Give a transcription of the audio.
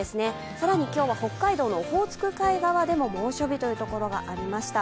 更に今日は北海道のオホーツク海側でも猛暑日というところがありました。